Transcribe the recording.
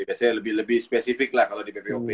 biasanya lebih spesifik lah kalau di ppop ya